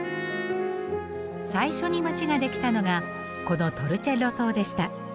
最初に街ができたのがこのトルチェッロ島でした。